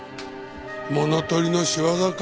物盗りの仕業か。